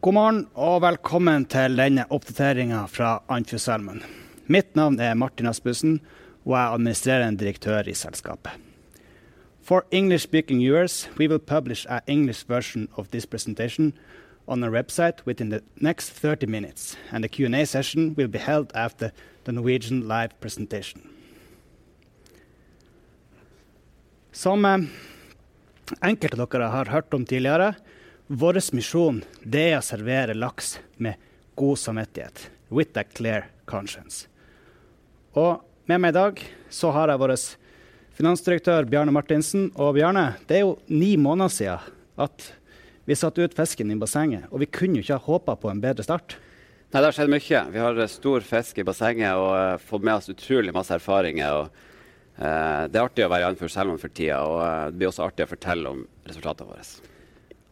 God morgen og velkommen til denne oppdateringen fra Andfjord Salmon. Mitt navn er Martin Rasmussen og er Administrerende Direktør i selskapet. For English speaking viewers. We will publish an English version of this presentation on our website within the next 30 minutes, and the Q&A session will be held after the Norwegian live presentation. Som enkelte av dere har hørt om tidligere. Vår misjon det er å servere laks med god samvittighet. With a clear conscience. Med meg i dag så har jeg vår Finansdirektør Bjarne Martinsen og Bjarne. Det er jo 9 måneder siden at vi satte ut fisken i bassenget, og vi kunne ikke ha håpet på en bedre start. Nei, det har skjedd mye. Vi har stor fisk i bassenget og fått med oss utrolig masse erfaringer. det er artig å være i Andfjord Salmon for tiden, og det blir også artig å fortelle om resultatene våres.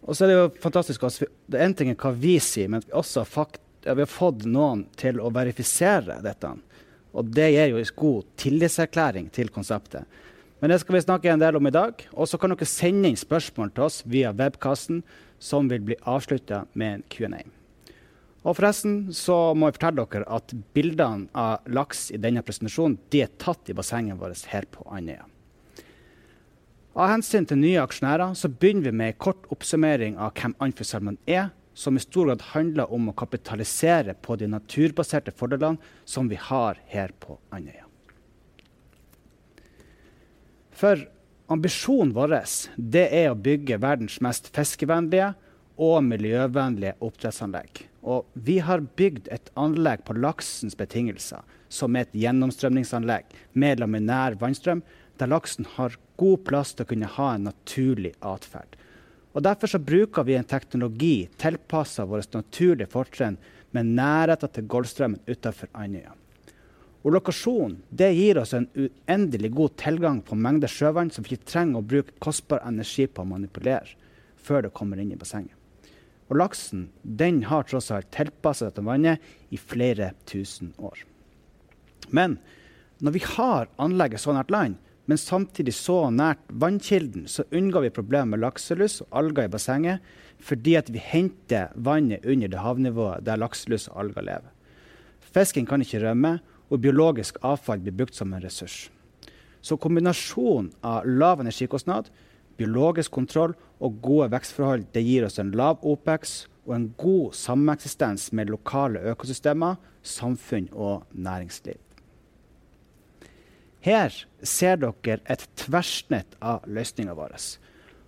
Det er jo fantastisk at en ting er hva vi sier, men også fakta. Vi har fått noen til å verifisere dette, og det gir jo en god tillitserklæring til konseptet. Det skal vi snakke en del om i dag. Dere kan sende inn spørsmål til oss via webkassen som vil bli avsluttet med en Q&A. Forresten så må jeg fortelle dere at bildene av laks i denne presentasjonen, de er tatt i bassenget vårt her på Andøya. Av hensyn til nye aksjonærer så begynner vi med en kort oppsummering av hvem Andfjord Salmon er, som i stor grad handler om å kapitalisere på de naturbaserte fordelene som vi har her på Andøya. Ambisjonen vår det er å bygge verdens mest fiskevennlige og miljøvennlige oppdrettsanlegg. Vi har bygd et anlegg på laksens betingelser som er et gjennomstrømningsanlegg med laminær vannstrøm der laksen har god plass til å kunne ha en naturlig atferd. Derfor så bruker vi en teknologi tilpasset våre naturlige fortrinn med nærhet til golfstrømmen utenfor Andøya. Lokasjonen det gir oss en uendelig god tilgang på mengder sjøvann som vi trenger å bruke kostbar energi på å manipulere før det kommer inn i bassenget. Laksen, den har tross alt tilpasset seg til vannet i flere tusen år. Når vi har anlegget så nært land, men samtidig så nært vannkilden, så unngår vi problemet med lakselus og alger i bassenget fordi at vi henter vannet under det havnivået der lakselus og alger lever. Fisken kan ikke rømme og biologisk avfall blir brukt som en ressurs. Kombinasjonen av lav energikostnad, biologisk kontroll og gode vekstforhold, det gir oss en lav Opex og en god sameksistens med lokale økosystemer, samfunn og næringsliv. Her ser dere et tverrsnitt av løsningen våres,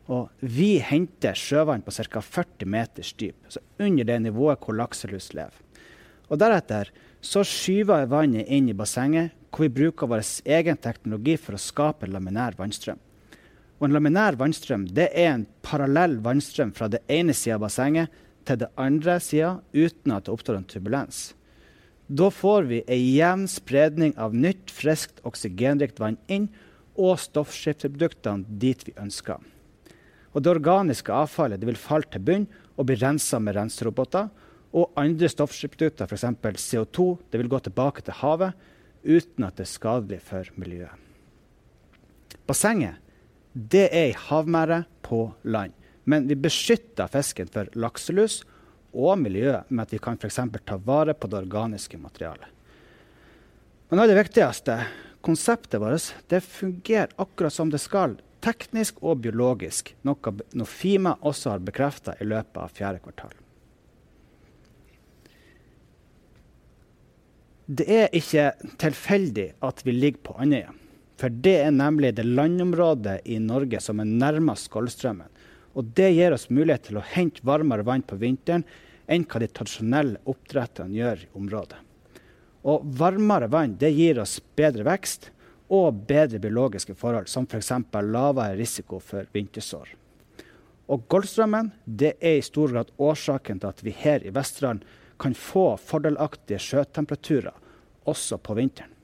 og vi henter sjøvann på cirka 40 meters dyp under det nivået hvor lakselus lever. Deretter så skyver vannet inn i bassenget hvor vi bruker vår egen teknologi for å skape laminær vannstrøm. Det er en parallell vannstrøm fra den ene siden av bassenget til det andre siden uten at det oppstår en turbulens. Vi får en jevn spredning av nytt, friskt, oksygenrikt vann inn og stoffskifteproduktene dit vi ønsker. Det organiske avfallet, det vil falle til bunn og bli renset med renseroboter og andre stoffskifteprodukter, for eksempel CO2. Det vil gå tilbake til havet uten at det er skadelig for miljøet. Bassenget, det er et havmerd på land, vi beskytter fisken for lakselus og miljøet med at vi kan for eksempel ta vare på det organiske materialet. Nå er det viktigste konseptet vårt. Det fungerer akkurat som det skal, teknisk og biologisk. Noe Nofima også har bekreftet i løpet av fjerde kvartal. Det er ikke tilfeldig at vi ligger på Andøya, det er nemlig det landområdet i Norge som er nærmest golfstrømmen. Det gir oss mulighet til å hente varmere vann på vinteren enn hva de tradisjonelle oppdretterne gjør i området. Varmere vann, det gir oss bedre vekst og bedre biologiske forhold, som for eksempel lavere risiko for vintersår. Golfstrømmen, det er i stor grad årsaken til at vi her i Vesterålen kan få fordelaktige sjøtemperaturer også på vinteren.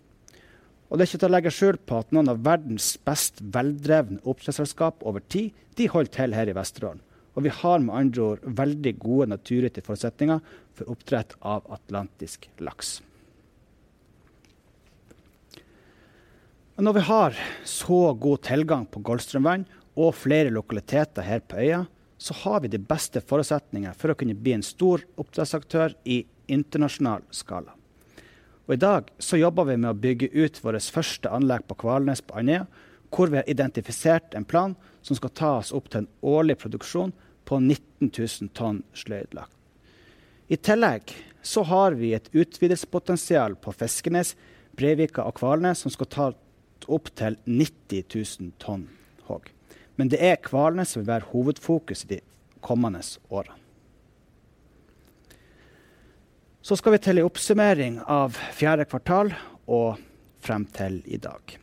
Det er ikke til å legge skjul på at noen av verdens best veldrevne oppdrettsselskap over tid, de holder til her i Vesterålen, og vi har med andre ord veldig gode naturgitte forutsetninger for oppdrett av atlantisk laks. Når vi har så god tilgang på golfstrømvann og flere lokaliteter her på øya, så har vi de beste forutsetninger for å kunne bli en stor oppdrettsaktør i internasjonal skala. I dag så jobber vi med å bygge ut vårt første anlegg på Kvalnes på Andøya, hvor vi har identifisert en plan som skal ta oss opp til en årlig produksjon på 19,000 tons sløydelaks. I tillegg så har vi et utvidelsespotensial på Fiskenes, Breivika og Kvalnes som skal ta opp til 90,000 tons og. Det er Kvalnes som vil være hovedfokus i de kommende årene. Skal vi til en oppsummering av fourth quarter og frem til i dag.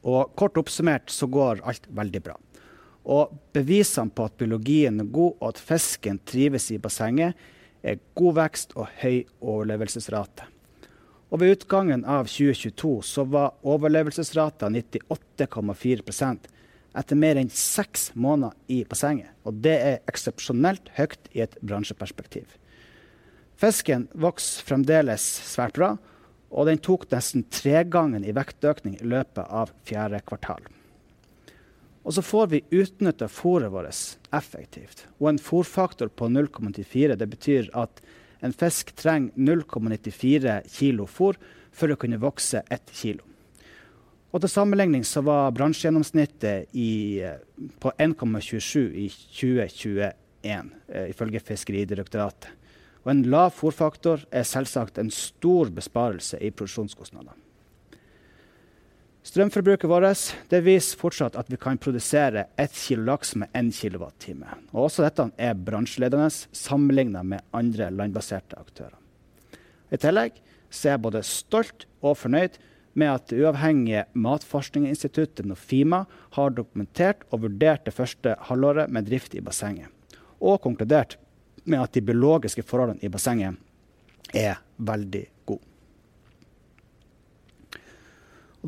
Kort oppsummert går alt veldig bra. Bevisene på at biologien er god og at fisken trives i bassenget er god vekst og høy overlevelsesrate. Ved utgangen av 2022 så var overlevelsesraten 98.4% etter mer enn six måneder i bassenget. Det er eksepsjonelt høyt i et bransjeperspektiv. Fisken vokser fremdeles svært bra, og den tok nesten 3 gangen i vektøkning i løpet av fourth quarter. Får vi utnyttet fôret våres effektivt og en fôrfaktor på 0.94, det betyr at en fisk trenger 0.94 kilo for å kunne vokse 1 kilo. Til sammenligning så var bransjegjennomsnittet på 1.27 i 2021 ifølge Fiskeridirektoratet. En lav fôrfaktor er selvsagt en stor besparelse i produksjonskostnadene. Strømforbruket vårt det viser fortsatt at vi kan produsere 1 kilo laks med 1 kilowattime. Also, this is bransjeledende sammenlignet med andre landbaserte aktører. In addition, så er både stolt og fornøyd med at det uavhengige matforskningsinstituttet Nofima har dokumentert og vurdert det first halvåret med drift i bassenget, and konkludert med at de biologiske forholdene i bassenget er veldig god.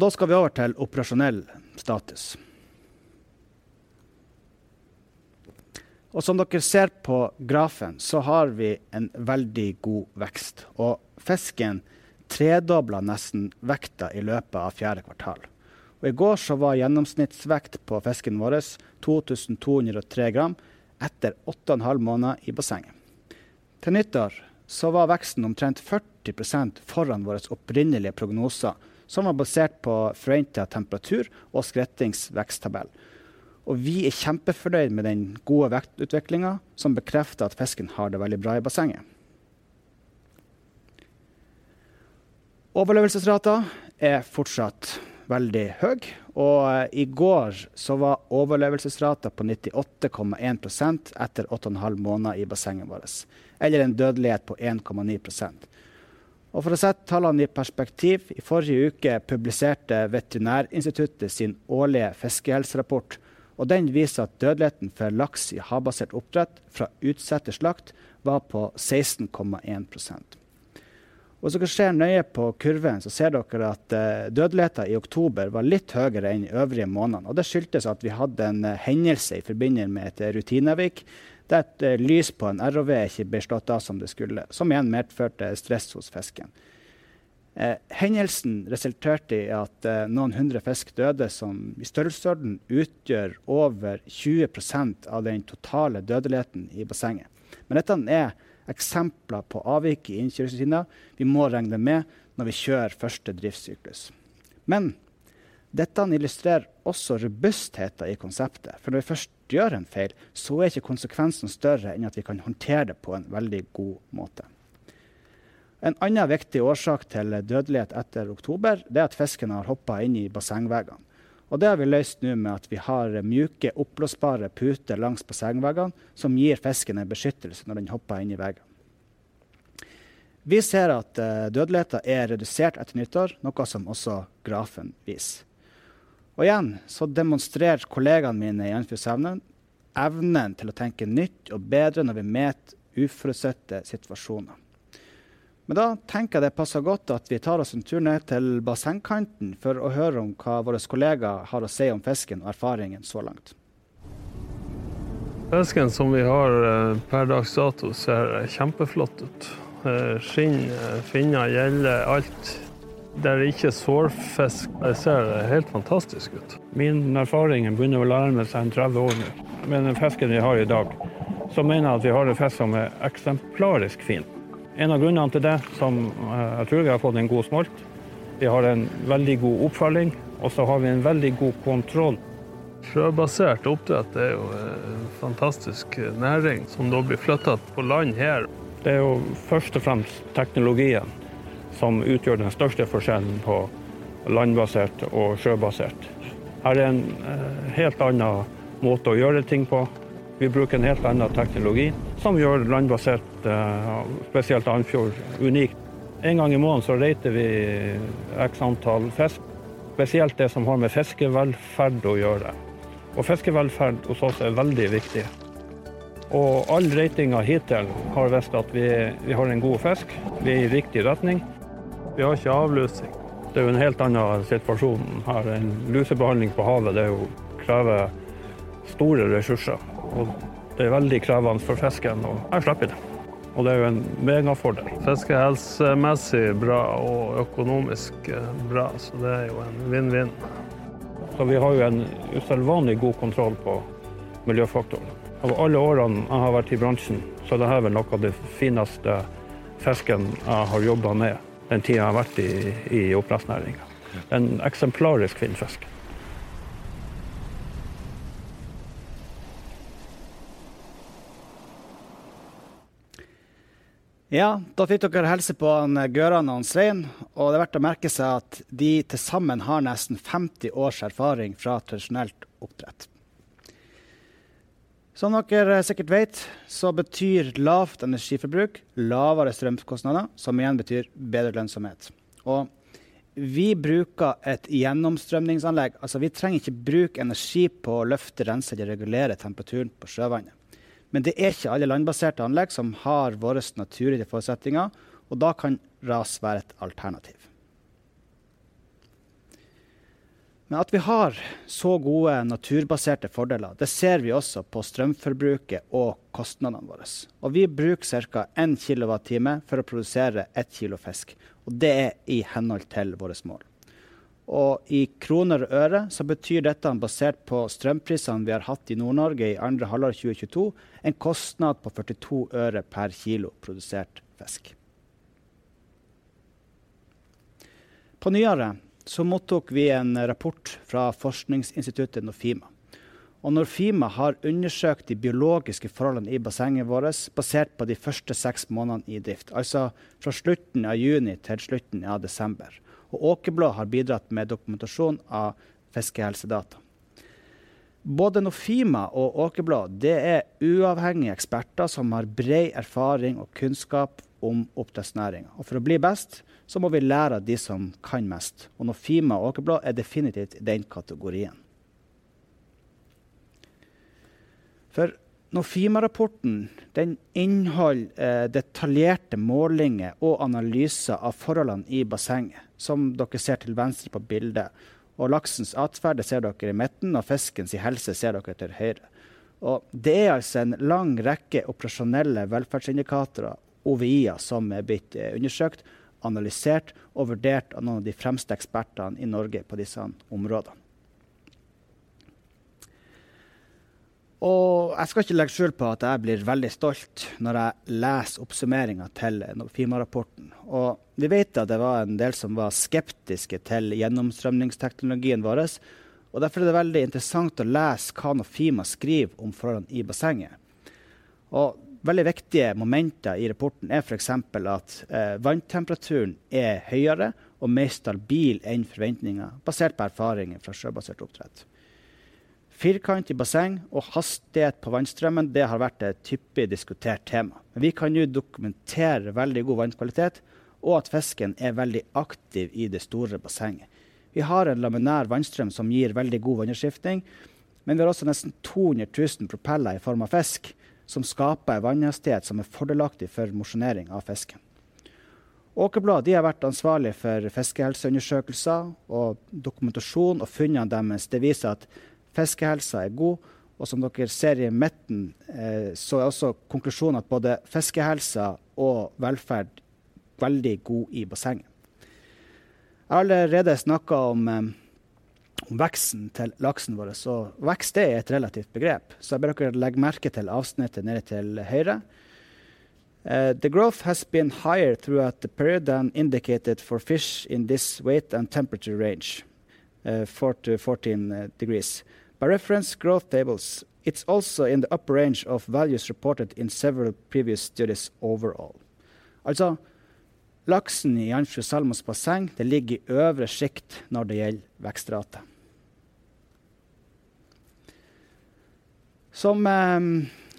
Then we will over til operasjonell status. As you see on the grafen så har vi en veldig god vekst and fisken tredoblet nesten vekta i løpet av fourth quarter. Yesterday, så var gjennomsnittsvekt på fisken våres 2,203 grams after 8.5 months i bassenget. By New Year, så var veksten omtrent 40% foran våre opprinnelige prognoser, som var basert på forventet temperatur and Skrettings veksttabell. Vi er kjempefornøyd med den gode vektutviklingen som bekrefter at fisken har det veldig bra i bassenget. Overlevelsesraten er fortsatt veldig høy, i går så var overlevelsesraten på 98.1% etter 8.5 måneder i bassenget vårt, eller en dødelighet på 1.9%. For å sette tallene i perspektiv, i forrige uke publiserte Veterinærinstituttet sin årlige fiskehelserapport, den viser at dødeligheten for laks i havbasert oppdrett fra utsettelse slakt var på 16.1%. Kan dere se nøye på kurven, ser dere at dødeligheten i October var litt høyere enn de øvrige månedene, det skyldtes at vi hadde en hendelse i forbindelse med et rutineavvik der et lys på en ROV ikke ble slått av som det skulle, som igjen medførte stress hos fisken. Hendelsen resulterte i at noen hundre fisk døde, som i størrelsesorden utgjør over 20% av den totale dødeligheten i bassenget. Dette er eksempler på avvik i innkjøringstiden vi må regne med når vi kjører første driftssyklus. Dette illustrerer også robustheten i konseptet. Når vi først gjør en feil, så er ikke konsekvensen større enn at vi kan håndtere det på en veldig god måte. En annen viktig årsak til dødelighet etter oktober, det er at fisken har hoppet inn i bassengveggene, og det har vi løst nå med at vi har myke oppblåsbare puter langs bassengveggene som gir fisken en beskyttelse når den hopper inn i veggen. Vi ser at dødeligheten er redusert etter nyttår, noe som også grafen viser. Igjen så demonstrerer kollegaene mine i Andfjord evnen til å tenke nytt og bedre når vi møter uforutsette situasjoner. Da tenker jeg det passer godt at vi tar oss en tur ned til bassengkanten for å høre om hva våre kollegaer har å si om fisken og erfaringene så langt. Fisken som vi har per dags dato ser kjempeflott ut. Skinn, finner, gjeller alt. Det er ikke sårfisk. Det ser helt fantastisk ut. Min erfaring begynner å nærme seg 30 år nå. Med den fisken vi har i dag, så mener jeg at vi har en fisk som er eksemplarisk fin. En av grunnene til det som jeg tror vi har fått en god smolt. Vi har en veldig god oppfølging og så har vi en veldig god kontroll. Sjøbasert oppdrett er jo en fantastisk næring som da blir flyttet på land her. Det er jo først og fremst teknologien som utgjør den største forskjellen på landbasert og sjøbasert. Her er en helt annen måte å gjøre ting på. Vi bruker en helt annen teknologi som gjør landbasert og spesielt Andfjord unikt. En gang i måneden så rater vi x antall fisk, spesielt det som har med fiskevelferd å gjøre og fiskevelferd hos oss er veldig viktig. All ratingen hittil har vist at vi har en god fisk. Vi er i riktig retning. Vi har ikke avlusing. Det er en helt annen situasjon her enn lusebehandling på havet. Det krever store ressurser, og det er veldig krevende for fisken å slippe det. Det er jo en megafordel. Fiskehelsemessig bra og økonomisk bra. Det er jo en win-win. Vi har jo en usedvanlig god kontroll på miljøfaktorene. Av alle årene jeg har vært i bransjen så er det her vel noe av det fineste fisken jeg har jobbet med den tiden jeg har vært i oppdrettsnæringen. En eksemplarisk fin fisk. Da fikk dere hilse på han Gøran og Svein. Det er verdt å merke seg at de til sammen har nesten 50 års erfaring fra tradisjonelt oppdrett. Som dere sikkert vet så betyr lavt energiforbruk lavere strømkostnader, som igjen betyr bedre lønnsomhet. Vi bruker et gjennomstrømningsanlegg, altså, vi trenger ikke bruke energi på å løfte, rense eller regulere temperaturen på sjøvannet. Det er ikke alle landbaserte anlegg som har våre naturlige forutsetninger, og da kan RAS være et alternativ. At vi har så gode naturbaserte fordeler. Det ser vi også på strømforbruket og kostnadene våres. Vi bruker cirka 1 kilowattime for å produsere 1 kilo fisk, og det er i henhold til våres mål. I kroner og øre så betyr dette basert på strømprisene vi har hatt i Nord-Norge i second half 2022, en kostnad på 0.42 per kilo produsert fisk. På nyåret mottok vi en rapport fra forskningsinstituttet Nofima. Nofima har undersøkt de biologiske forholdene i bassenget våres basert på de første 6 månedene i drift, altså fra slutten av juni til slutten av desember. Åkerblå har bidratt med dokumentasjon av fiskehelsedata. Både Nofima og Åkerblå, det er uavhengige eksperter som har bred erfaring og kunnskap om oppdrettsnæringen. For å bli best må vi lære av de som kan mest. Nofima og Åkerblå er definitivt i den kategorien. Nofima rapporten den inneholder detaljerte målinger og analyser av forholdene i bassenget som dere ser til venstre på bildet, og laksens atferd ser dere i midten og fisken sin helse ser dere til høyre. Det er altså en lang rekke operasjonelle velferdsindikatorer, OVIer, som er blitt undersøkt, analysert og vurdert av noen av de fremste ekspertene i Norge på disse områdene. Jeg skal ikke legge skjul på at jeg blir veldig stolt når jeg leser oppsummeringen til Nofima rapporten. Vi vet at det var en del som var skeptiske til gjennomstrømnings teknologien våres, og derfor er det veldig interessant å lese hva Nofima skriver om forholdene i bassenget. Veldig viktige momenter i rapporten er for eksempel at vanntemperaturen er høyere og mer stabil enn forventningene basert på erfaringer fra sjøbasert oppdrett. Firkant i basseng og hastighet på vannstrømmen. Det har vært et typisk diskutert tema, men vi kan jo dokumentere veldig god vannkvalitet og at fisken er veldig aktiv i det store bassenget. Vi har en laminær vannstrøm som gir veldig god vannutskiftning, men vi har også nesten 200,000 propeller i form av fisk som skaper en vannhastighet som er fordelaktig for mosjonering av fisken. Åkerblå, de har vært ansvarlig for fiskehelseundersøkelser og dokumentasjon og funnene deres, det viser at fiskehelsen er god. Som dere ser i midten så er også konklusjonen at både fiskehelse og velferd veldig god i bassenget. Jeg har allerede snakket om veksten til laksen våres, vekst er et relativt begrep. Jeg ber dere legge merke til avsnittet nede til høyre. "The growth has been higher throughout the period than indicated for fish in this weight and temperature range 4 to 14 degrees by reference growth tables. It's also in the upper range of values reported in several previous studies overall." Altså laksen i Andfjord Salmon basseng, det ligger i øvre sjikt når det gjelder vekstrate.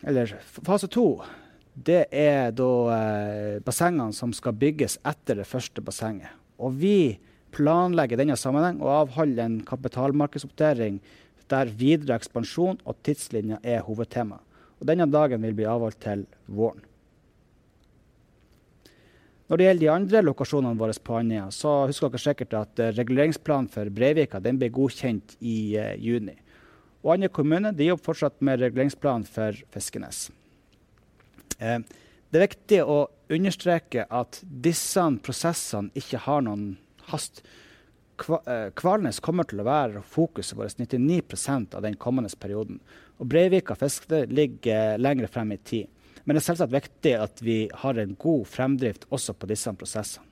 Eller fase to. Det er da bassengene som skal bygges etter det første bassenget. Vi planlegger i denne sammenheng å avholde en kapitalmarkedsoppdatering der videre ekspansjon og tidslinjen er hovedtema. Denne dagen vil bli avholdt til våren. Når det gjelder de andre lokasjonene våres på Andøya, husker dere sikkert at reguleringsplanen for Breivika, den ble godkjent i juni. Andøy kommune de jobber fortsatt med reguleringsplanen for Fiskenes. Det er viktig å understreke at disse prosessene ikke har noen hast. Kvalnes kommer til å være fokuset våres 99% av den kommende perioden. Breivika og Fiske, det ligger lenger frem i tid. Det er selvsagt viktig at vi har en god fremdrift også på disse prosessene.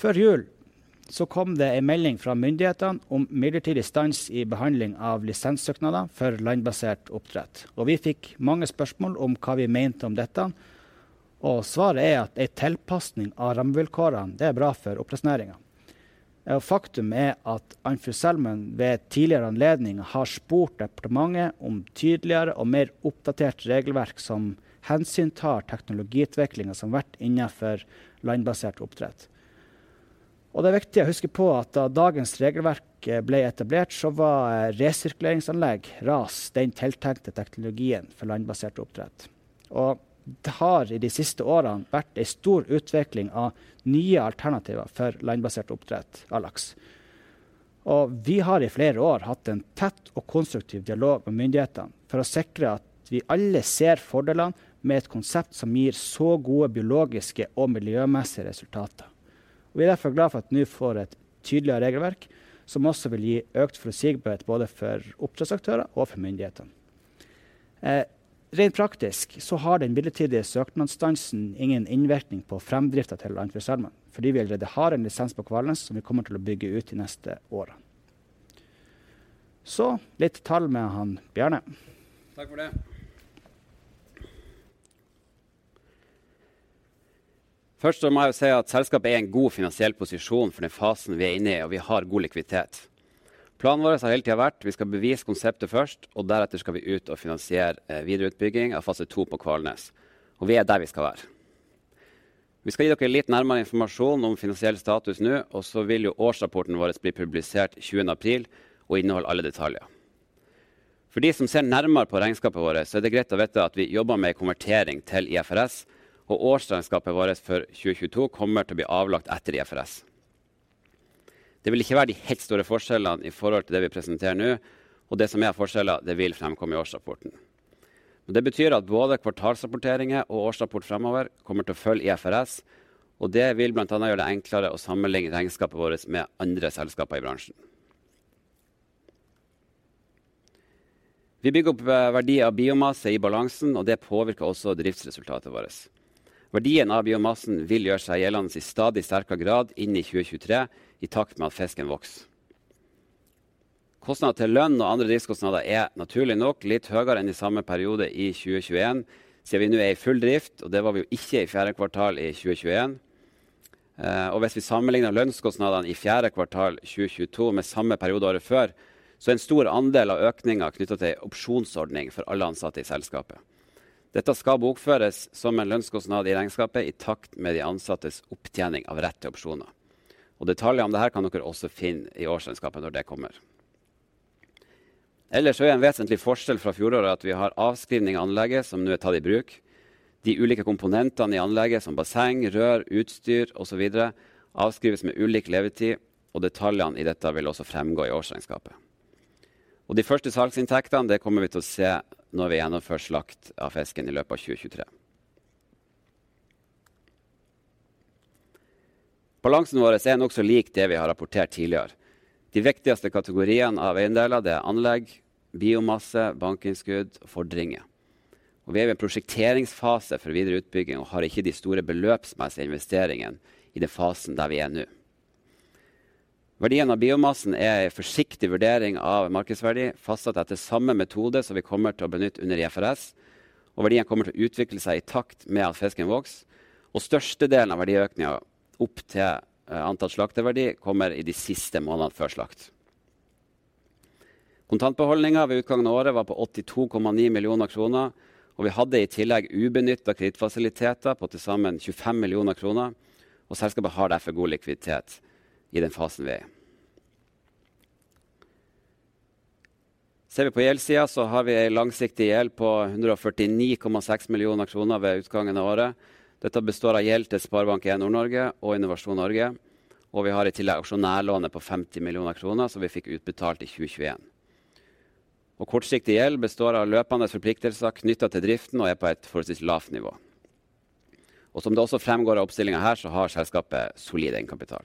Før jul so kom det en melding fra myndighetene om midlertidig stans i behandling av lisenssøknader for landbasert oppdrett. Vi fikk mange spørsmål om hva vi mente om dette. Svaret er at en tilpasning av rammevilkårene, det er bra for oppdrettsnæringen. Faktum er at Andfjord Salmon ved tidligere anledninger har spurt departementet om tydeligere og mer oppdatert regelverk som hensyntar teknologiutviklingen som vært innenfor landbasert oppdrett. Det er viktig å huske på at da dagens regelverk ble etablert, så var resirkuleringsanlegg RAS den tiltenkte teknologien for landbasert oppdrett, og det har i de siste årene vært en stor utvikling av nye alternativer for landbasert oppdrett av laks. Vi har i flere år hatt en tett og konstruktiv dialog med myndighetene for å sikre at vi alle ser fordelene med et konsept som gir så gode biologiske og miljømessige resultater. Vi er derfor glad for at vi nå får et tydeligere regelverk som også vil gi økt forutsigbarhet både for oppdrettsaktører og for myndighetene. Rent praktisk så har den midlertidige søknadsstansen ingen innvirkning på fremdriften til Andfjord Salmon fordi vi allerede har en lisens på Kvalnes som vi kommer til å bygge ut de neste årene. Litt tall med han Bjarne. Takk for det! Først må jeg jo si at selskapet er i en god finansiell posisjon for den fasen vi er inne i, og vi har god likviditet. Planen våres har hele tiden vært vi skal bevise konseptet først, og deretter skal vi ut og finansiere videreutbygging av fase to på Kvalnes. Vi er der vi skal være. Vi skal gi dere litt nærmere informasjon om finansiell status nå, så vil jo årsrapporten våres bli publisert 20. april og inneholde alle detaljer. For de som ser nærmere på regnskapet vårt, så er det greit å vite at vi jobber med en konvertering til IFRS og årsregnskapet vårt for 2022 kommer til å bli avlagt etter IFRS. Det vil ikke være de helt store forskjellene i forhold til det vi presenterer nå, det som er forskjeller det vil fremkomme i årsrapporten. Det betyr at både kvartalsrapporteringer og årsrapport fremover kommer til å følge IFRS, og det vil blant annet gjøre det enklere å sammenligne regnskapet vårt med andre selskaper i bransjen. Vi bygger opp verdi av biomasse i balansen, og det påvirker også driftsresultatet vårt. Verdien av biomassen vil gjøre seg gjeldende i stadig sterkere grad inn i 2023, i takt med at fisken vokser. Kostnad til lønn og andre driftskostnader er naturlig nok litt høyere enn i samme periode i 2021 siden vi nå er i full drift. Det var vi jo ikke i fjerde kvartal i 2021. Hvis vi sammenligner lønnskostnadene i fjerde kvartal 2022 med samme periode året før, så er en stor andel av økningen knyttet til opsjonsordning for alle ansatte i selskapet. Dette skal bokføres som en lønnskostnad i regnskapet i takt med de ansattes opptjening av rett til opsjoner. Detaljer om det her kan dere også finne i årsregnskapet når det kommer. Ellers så er en vesentlig forskjell fra fjoråret at vi har avskrivning av anlegget som nå er tatt i bruk. De ulike komponentene i anlegget som basseng, rør, utstyr og så videre avskrives med ulik levetid, og detaljene i dette vil også fremgå i årsregnskapet. De første salgsinntektene det kommer vi til å se når vi gjennomfører slakt av fisken i løpet av 2023. Balansen vår er nokså lik det vi har rapportert tidligere. De viktigste kategoriene av eiendeler det er anlegg, biomasse, bankinnskudd og fordringer. Vi er i en prosjekteringsfase for videre utbygging og har ikke de store beløpsmessige investeringene i den fasen der vi er nå. Verdien av biomasse er en forsiktig vurdering av markedsverdi, fastsatt etter samme metode som vi kommer til å benytte under IFRS, verdien kommer til å utvikle seg i takt med at fisken vokser og størstedelen av verdiøkningen opp til antall slakteverdi kommer i de siste månedene før slakt. Kontantbeholdningen ved utgangen av året var på 82.9 million kroner, vi hadde i tillegg ubenyttede kredittfasiliteter på til sammen NOK 25 million. Selskapet har derfor god likviditet i den fasen vi er i. Ser vi på gjeldssiden så har vi en langsiktig gjeld på 149.6 million kroner ved utgangen av året. Dette består av gjeld til SpareBank 1 Nord-Norge og Innovasjon Norge, vi har i tillegg aksjonærlånet på 50 million kroner som vi fikk utbetalt i 2021. Kortsiktig gjeld består av løpende forpliktelser knyttet til driften og er på et forholdsvis lavt nivå. Som det også fremgår av oppstillingen her, så har selskapet solid egenkapital.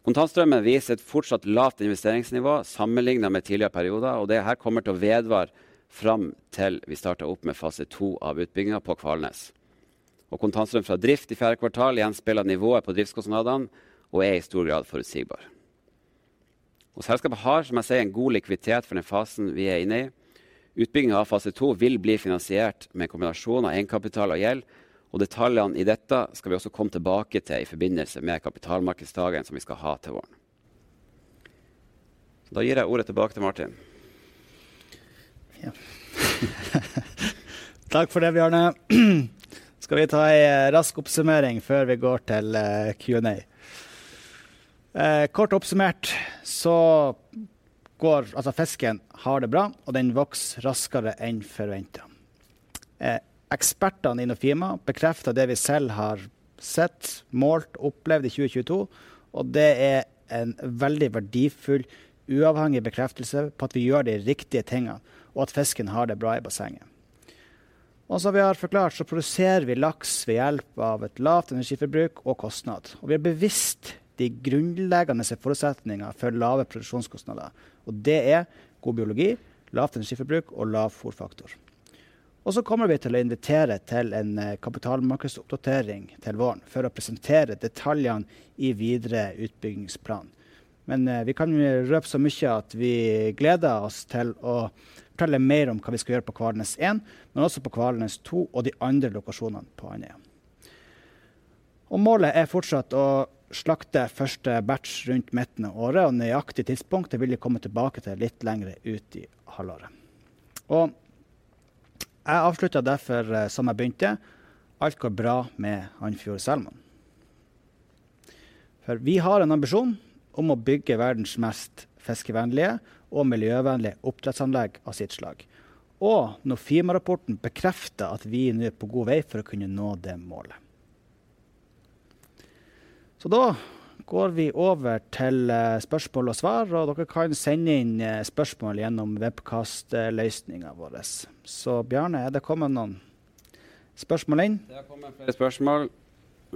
Kontantstrømmen viser et fortsatt lavt investeringsnivå sammenlignet med tidligere perioder, og det her kommer til å vedvare fram til vi starter opp med fase to av utbyggingen på Kvalnes. Kontantstrøm fra drift i fjerde kvartal gjenspeiler nivået på driftskostnadene og er i stor grad forutsigbar. Selskapet har som jeg sier, en god likviditet for den fasen vi er inne i. Utbygging av fase to vil bli finansiert med en kombinasjon av egenkapital og gjeld, og detaljene i dette skal vi også komme tilbake til i forbindelse med kapitalmarkedsdagen som vi skal ha til våren. Jeg gir ordet tilbake til Martin. Takk for det, Bjarne. Skal vi ta en rask oppsummering før vi går til Q and A. Kort oppsummert fisken har det bra og den vokser raskere enn forventet. Ekspertene i Nofima bekrefter det vi selv har sett, målt og opplevd i 2022. Det er en veldig verdifull, uavhengig bekreftelse på at vi gjør de riktige tingene og at fisken har det bra i bassenget. Som vi har forklart så produserer vi laks ved hjelp av et lavt energiforbruk og kostnad, og vi er bevisst de grunnleggende forutsetninger for lave produksjonskostnader. Det er god biologi, lavt energiforbruk og lav fôrfaktor. Vi kommer til å invitere til en kapitalmarkedsoppdatering til våren for å presentere detaljene i videre utbyggingsplan. Vi kan røpe så mye at vi gleder oss til å fortelle mer om hva vi skal gjøre på Kvalnes 1, men også på Kvalnes 2 og de andre lokasjonene på Andøya. Målet er fortsatt å slakte første batch rundt midten av året, og nøyaktig tidspunkt det vil vi komme tilbake til litt lengre ut i halvåret. Jeg avslutter derfor som jeg begynte. Alt går bra med Andfjord Salmon, for vi har en ambisjon om å bygge verdens mest fiskevennlige og miljøvennlige oppdrettsanlegg av sitt slag. Nofima rapporten bekrefter at vi nå er på god vei for å kunne nå det målet. Da går vi over til spørsmål og svar, og dere kan sende inn spørsmål gjennom webcastløsningen vår. Bjarne, er det kommet noen spørsmål inn? Det har kommet flere spørsmål.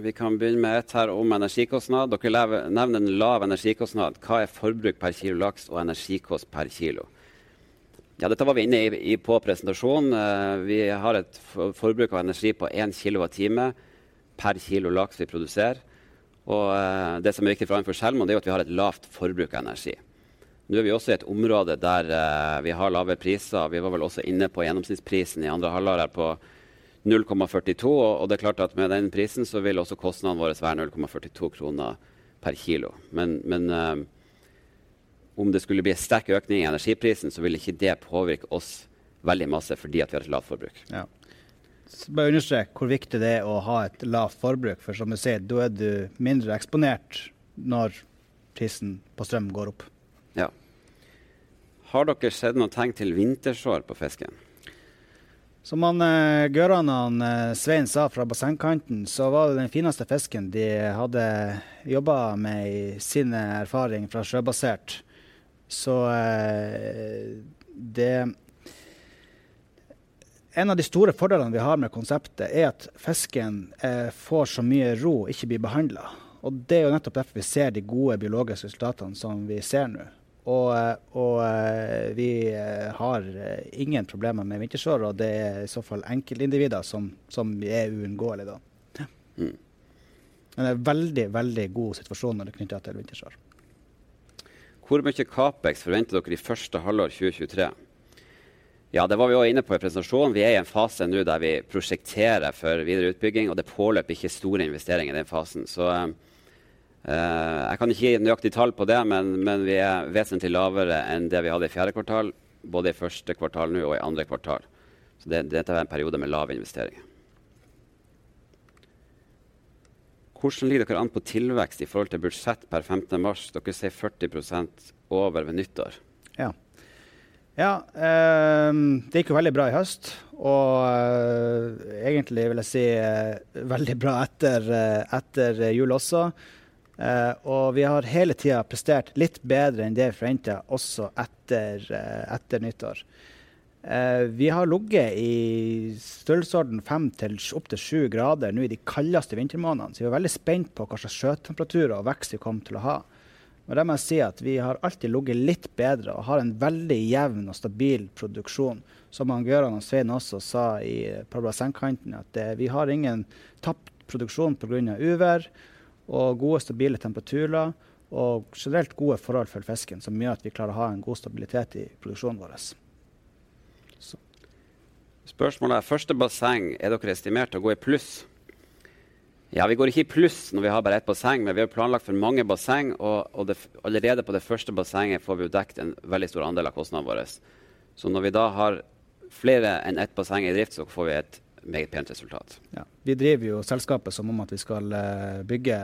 Vi kan begynne med et her om energikostnad. Dere nevner en lav energikostnad. Hva er forbruk per kilo laks og energikost per kilo? Ja, dette var vi inne i på presentasjonen. Vi har et forbruk av energi på 1 kWh per kilo laks vi produserer. Det som er viktig for Andfjord Salmon er jo at vi har et lavt forbruk av energi. Nå er vi også i et område der vi har lave priser. Vi var vel også inne på gjennomsnittsprisen i andre halvår på 0.42. Det er klart at med den prisen så vil også kostnaden vår være 0.42 kroner per kilo. Men om det skulle bli en sterk økning i energiprisen, så vil ikke det påvirke oss veldig mye fordi vi har et lavt forbruk. Bare understreke hvor viktig det er å ha et lavt forbruk. Som vi ser, da er du mindre eksponert når prisen på strøm går opp. Har dere sett noen tegn til vintersår på fisken? Som han Gøran og Svein sa fra bassengkanten, var det den fineste fisken de hadde jobbet med i sin erfaring fra sjøbasert. En av de store fordelene vi har med konseptet er at fisken får så mye ro og ikke blir behandlet. Det er jo nettopp derfor vi ser de gode biologiske resultatene som vi ser nå. Vi har ingen problemer med vintersår, og det er i så fall enkeltindivider som er uunngåelig da. Ja. Det er veldig god situasjon når det er knyttet til vintersår. Hvor mye Capex forventer dere i første halvår 2023? Det var vi jo inne på i presentasjonen. Vi er i en fase nå der vi prosjekterer for videre utbygging. Det påløper ikke store investeringer i den fasen. Jeg kan ikke gi nøyaktig tall på det. Vi er vesentlig lavere enn det vi hadde i fjerde kvartal, både i første kvartal nå og i andre kvartal. Dette er en periode med lav investering. Hvordan ligger dere an på tilvekst i forhold til budsjett per 15. mars? Dere ser 40% over ved nyttår. Ja. Det gikk jo veldig bra i høst, og egentlig vil jeg si veldig bra etter jul også. Vi har hele tiden prestert litt bedre enn det forventet, også etter nyttår. Vi har ligget i størrelsesorden 5 til opp til 7 grader nå i de kaldeste vintermånedene, så vi er veldig spent på hva slags sjøtemperatur og vekst vi kom til å ha. Der må jeg si at vi har alltid ligget litt bedre og har en veldig jevn og stabil produksjon. Som han Gøran og Svein også sa i på bassengkanten at vi har ingen tapt produksjon på grunn av uvær og gode stabile temperaturer og generelt gode forhold for fisken som gjør at vi klarer å ha en god stabilitet i produksjonen vår. Spørsmålet er første basseng. Er dere estimert å gå i pluss? Vi går ikke i pluss når vi har bare ett basseng, men vi har planlagt for mange basseng og allerede på det første bassenget får vi dekket en veldig stor andel av kostnaden vår. Når vi da har flere enn ett basseng i drift, så får vi et meget pent resultat. Vi driver jo selskapet som om at vi skal bygge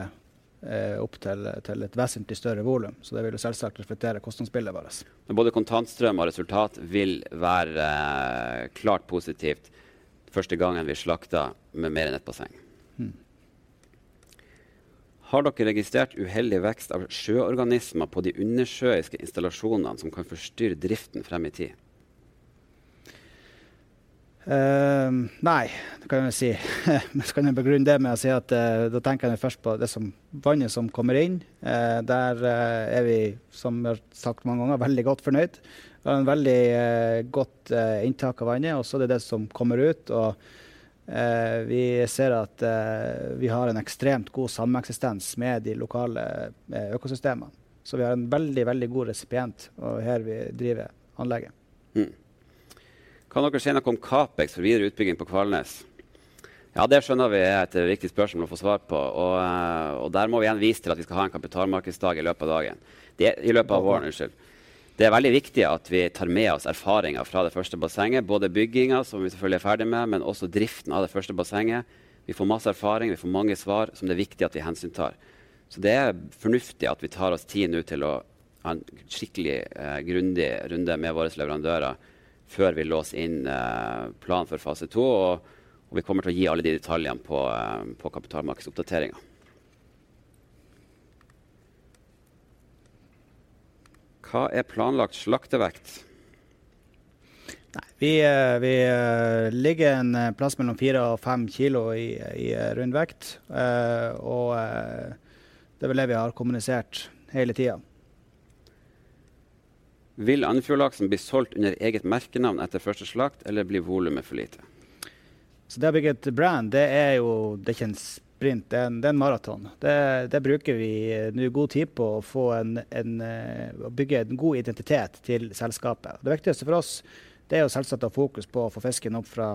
opp til et vesentlig større volum. Det vil jo selvsagt reflektere kostnadsbildet vårt. Både kontantstrøm og resultat vil være klart positivt første gangen vi slakter med mer enn 1 basseng. Mm. Har dere registrert uheldig vekst av sjøorganismer på de undersjøiske installasjonene som kan forstyrre driften frem i tid? Nei, det kan jeg vel si. Kan jeg begrunne det med å si at da tenker jeg først på det som vannet som kommer inn. Der er vi, som sagt mange ganger veldig godt fornøyd og har en veldig godt inntak av vannet og også det som kommer ut. Vi ser at vi har en ekstremt god sameksistens med de lokale økosystemene, så vi har en veldig god resipient og her vi driver anlegget. Kan dere si noe om Capex for videre utbygging på Kvalnes? Ja, det skjønner vi er et viktig spørsmål å få svar på. Der må vi igjen vise til at vi skal ha en kapitalmarkedsdag i løpet av dagen. Det i løpet av våren. Unnskyld. Det er veldig viktig at vi tar med oss erfaringer fra det første bassenget. Både byggingen som vi selvfølgelig er ferdig med, men også driften av det første bassenget. Vi får masse erfaring. Vi får mange svar som det er viktig at vi hensyntar. Det er fornuftig at vi tar oss tid nå til å ha en skikkelig grundig runde med våre leverandører før vi låser inn planen for fase to. Vi kommer til å gi alle de detaljene på kapitalmarkedsoppdateringen. Hva er planlagt slaktevekt? Nei, vi ligger en plass mellom 4 og 5 kilo i rundvekt, og det er vel det vi har kommunisert hele tiden. Vil Andfjordlaksen bli solgt under eget merkenavn etter første slakt, eller blir volumet for lite? Det å bygge et brand, det er jo, det er ikke en sprint, det er en maraton. Det bruker vi nå god tid på å få en å bygge en god identitet til selskapet. Det viktigste for oss, det er jo selvsagt å fokus på å få fisken opp fra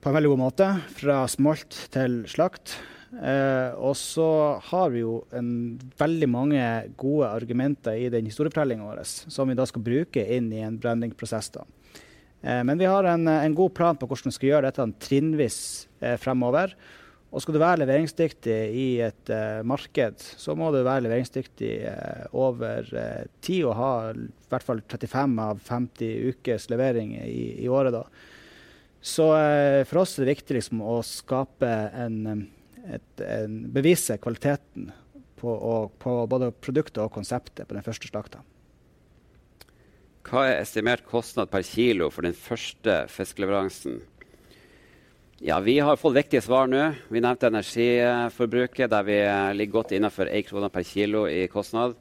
på en veldig god måte, fra smolt til slakt. Og så har vi jo en veldig mange gode argumenter i den historiefortellingen vår som vi da skal bruke inn i en brandingprosess da. Men vi har en god plan på hvordan vi skal gjøre dette trinnvis fremover. Skal du være leveringsdyktig i et marked så må du være leveringsdyktig over tid og ha i hvert fall 35 av 50 ukers levering i året da. For oss er det viktig liksom å bevise kvaliteten på både produktet og konseptet på den første slakten. Hva er estimert kostnad per kilo for den første fiskeleveransen? Vi har fått viktige svar nå. Vi nevnte energiforbruket der vi ligger godt innenfor NOK 1 per kilo i kostnad.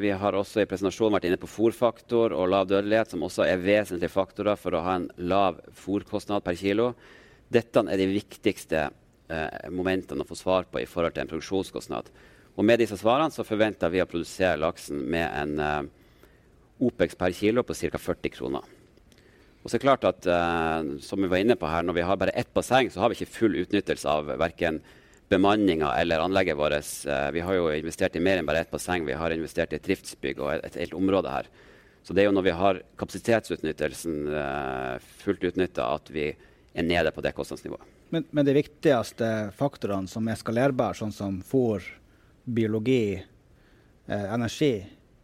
Vi har også i presentasjonen vært inne på fôrfaktor og lav dødelighet, som også er vesentlige faktorer for å ha en lav fôrkostnad per kilo. Dette er de viktigste momentene å få svar på i forhold til en produksjonskostnad. Med disse svarene så forventer vi å produsere laksen med en Opex per kilo på cirka 40 kroner. Så klart at som vi var inne på her, når vi har bare 1 basseng, så har vi ikke full utnyttelse av verken bemanningen eller anlegget vårt. Vi har jo investert i mer enn bare 1 basseng. Vi har investert i driftsbygg og et helt område her. Det er jo når vi har kapasitetsutnyttelsen fullt utnyttet at vi er nede på det kostnadsnivået. De viktigste faktorene som er skalerbare, sånn som fôr, biologi, energi,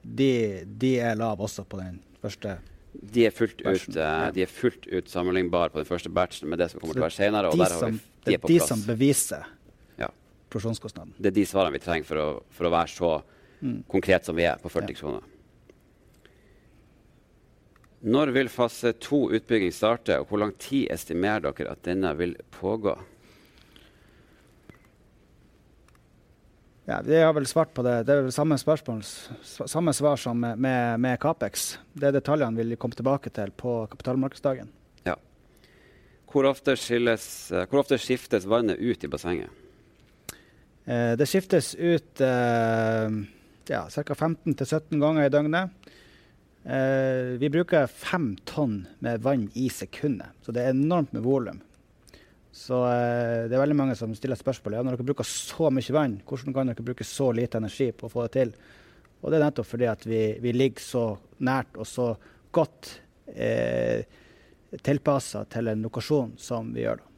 de er lav også på den første. De er fullt ut sammenlignbar på det first batchen med det som kommer til å være senere. Der har vi de på plass. Det er de som beviser. Ja. Produksjonskostnaden. Det er de svarene vi trenger for å, for å være så konkret som vi er på 40 kroner. Når vil fase to utbygging starte og hvor lang tid estimerer dere at denne vil pågå? Vi har vel svart på det. Det er vel samme spørsmål, samme svar som med Capex. Det er detaljene vi kommer tilbake til på kapitalmarkedsdagen. Hvor ofte skilles? Hvor ofte skiftes vannet ut i bassenget? Det skiftes ut, ja cirka 15 til 17 ganger i døgnet. Vi bruker 5 tonn med vann i sekundet, så det er enormt med volum. Det er veldig mange som stiller spørsmål. Ja, når dere bruker så mye vann, hvordan kan dere bruke så lite energi på å få det til? Det er nettopp fordi at vi ligger så nært og så godt tilpasset til en lokasjon som vi gjør da.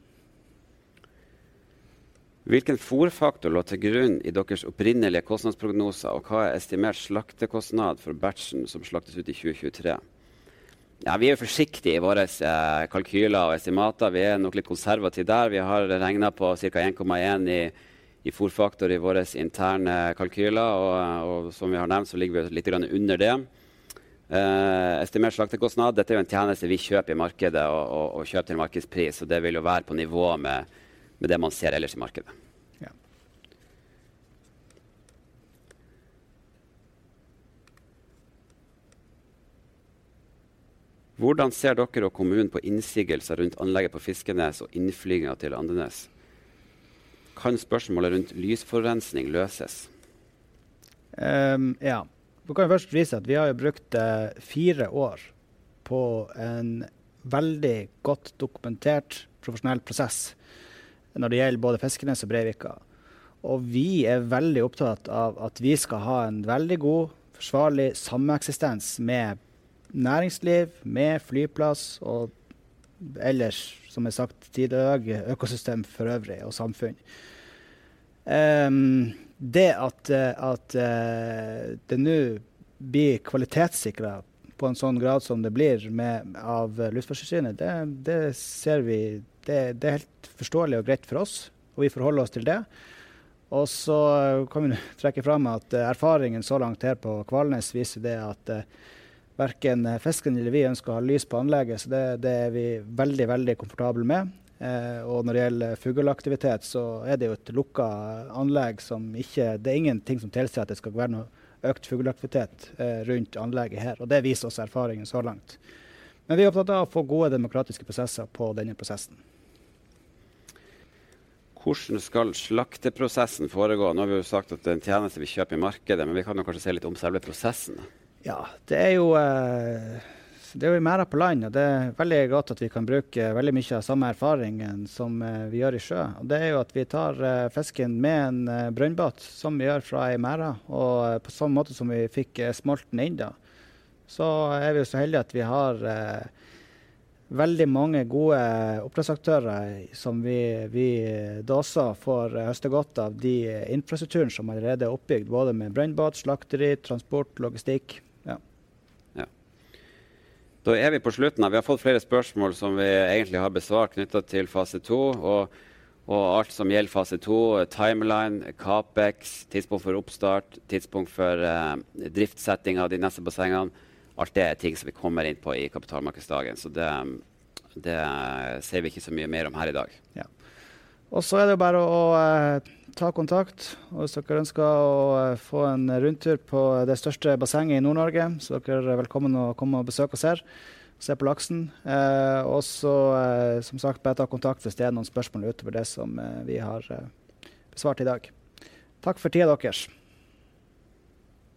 Hvilken fôrfaktor lå til grunn i deres opprinnelige kostnadsprognoser, og hva er estimert slaktekostnad for batchen som slaktes ut i 2023? Ja, vi er forsiktige i våre kalkyler og estimater. Vi er nok litt konservative der vi har regnet på cirka 1.1 i fôrfaktor i våre interne kalkyler. Som vi har nevnt så ligger vi litt under det. Estimert slaktekostnad. Dette er en tjeneste vi kjøper i markedet og kjøper til markedspris, og det vil jo være på nivå med det man ser ellers i markedet. Ja. Hvordan ser dere og kommunen på innsigelser rundt anlegget på Fiskenes og innflygingen til Andenes? Kan spørsmålet rundt lysforurensning løses? Ja. Nå kan jeg først vise at vi har jo brukt 4 år på en veldig godt dokumentert profesjonell prosess når det gjelder både Fiskenes og Breivika. Vi er veldig opptatt av at vi skal ha en veldig god, forsvarlig sameksistens med næringsliv, med flyplass og ellers, som jeg sagt tidligere i dag, økosystem for øvrig og samfunn. Det at det nå blir kvalitetssikret på en sånn grad som det blir med av Luftfartstilsynet, det ser vi, det er helt forståelig og greit for oss, og vi forholder oss til det. Så kan vi trekke fram at erfaringen så langt her på Kvalnes viser det at verken fisken eller vi ønsker å ha lys på anlegget, så det er vi veldig komfortable med. Når det gjelder fugleaktivitet så er det jo et lukket anlegg. Det er ingenting som tilsier at det skal være noe økt fugleaktivitet rundt anlegget her, og det viser også erfaringen så langt. Vi er opptatt av å få gode demokratiske prosesser på denne prosessen. Hvordan skal slakteprosessen foregå? Nå har vi jo sagt at det er en tjeneste vi kjøper i markedet, men vi kan jo kanskje si litt om selve prosessen. det er jo, det er jo i merd på land, og det er veldig godt at vi kan bruke veldig mye av samme erfaringen som vi gjør i sjø. Det er jo at vi tar fisken med en brønnbåt som vi gjør fra en merd. På samme måte som vi fikk smolten inn da, så er vi så heldige at vi har veldig mange gode oppdrettsaktører som vi daser for å høste godt av de infrastrukturen som allerede er oppbygd, både med brønnbåt, slakteri, transport, logistikk. Ja. Ja. Vi er på slutten her. Vi har fått flere spørsmål som vi egentlig har besvart knyttet til fase to og alt som gjelder fase to. Timeline, Capex, tidspunkt for oppstart, tidspunkt for driftssetting av de neste bassengene. Alt det er ting som vi kommer inn på i kapitalmarkedsdagen. Det sier vi ikke så mye mer om her i dag. Det er jo bare å ta kontakt. Hvis dere ønsker å få en rundtur på det største bassenget i Nord-Norge, så er dere velkommen å komme og besøke oss her. Se på laksen. Som sagt bare ta kontakt hvis det er noen spørsmål utover det som vi har besvart i dag. Takk for tiden deres.